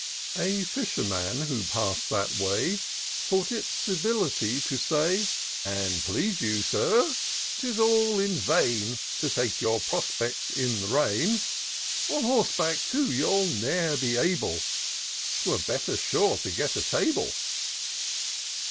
A fisherman, who pass'd that way, Thought it civility to say :" An' please you. Sir, 'tis all is vain To take your prospects in the rain ; On horseback, too, you'll ne'er be able ; 'Twere better sure to get a table."